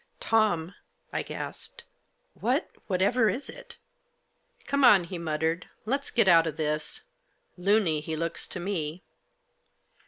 " Tom," I gasped, " what — whatever is it ?"" Come on," he muttered. " Let's get out of this. Looney, he looks to me."